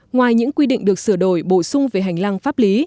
ngoài những quy định được sửa đổi bổ sung về hành lang pháp lý